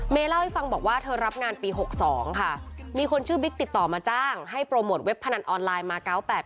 เล่าให้ฟังบอกว่าเธอรับงานปี๖๒ค่ะมีคนชื่อบิ๊กติดต่อมาจ้างให้โปรโมทเว็บพนันออนไลน์มา๙๘๘